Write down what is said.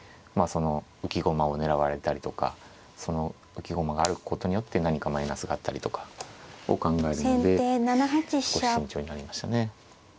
その浮き駒を狙われたりとかその浮き駒があることによって何かマイナスがあったりとかを考えるので少し慎重になりましたね。